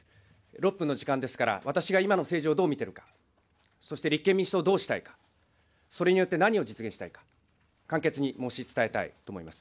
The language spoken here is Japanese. ６分の時間ですから、私が今の政治をどう見ているか、そして立憲民主党をどうしたいか、それによって何を実現したいか、簡潔に申し伝えたいと思います。